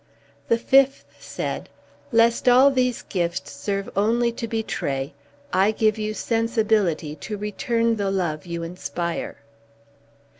The fifth said, "Lest all these gifts serve only to betray, I give you sensibility to return the love you inspire."